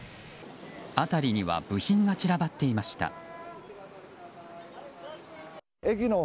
辺りには部品が散らばっていました。